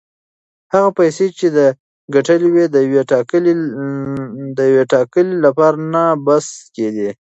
هغه پیسې چې ده ګټلې وې د یوې ټکلې لپاره نه بس کېدې.